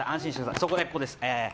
そこでこれです。